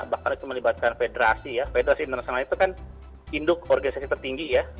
bahkan itu melibatkan federasi ya federasi internasional itu kan induk organisasi tertinggi ya